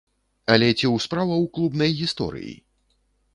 Але ці ў справа ў клубнай гісторыі?